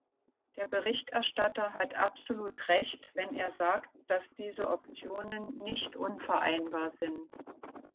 Der Berichterstatter hat absolut Recht, wenn er sagt, dass diese Optionen nicht unvereinbar sind.